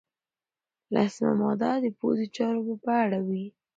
لسمه ماده د پوځي چارو په اړه وه.